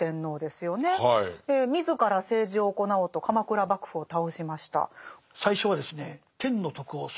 自ら政治を行おうと鎌倉幕府を倒しました。